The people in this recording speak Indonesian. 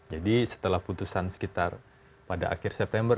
jadi setelah putusan sekitar pada akhir september